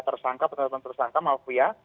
tersangka bener bener tersangka mafia